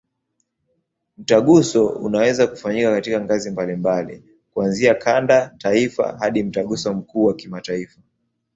Mtaguso unaweza kufanyika katika ngazi mbalimbali, kuanzia kanda, taifa hadi Mtaguso mkuu wa kimataifa.